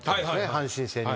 阪神戦に。